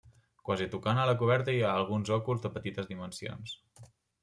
Quasi tocant a la coberta hi ha alguns òculs de petites dimensions.